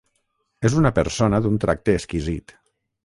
És una persona d'un tracte exquisit.